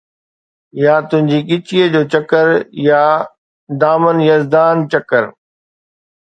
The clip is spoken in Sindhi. يا تنهنجي ڳچيءَ جو چڪر يا دامن يزدان چڪر